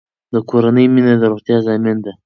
د کورنۍ مینه د روغتیا ضامن ده.